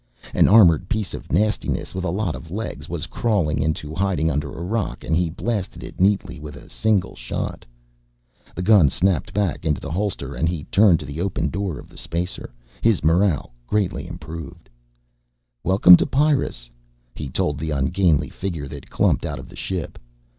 An armored piece of nastiness, with a lot of legs, was crawling into hiding under a rock and he blasted it neatly with a single shot. The gun snapped back into the holster and he turned to the open door of the spacer, his morale greatly improved. "Welcome to Pyrrus," he told the ungainly figure that clumped out of the ship.